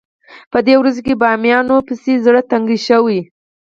په دې ورځو کې بامیانو پسې زړه تنګ شوی.